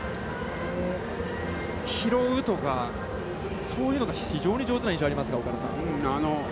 拾うとかそういうのが非常に上手な印象がありますが、岡田さん。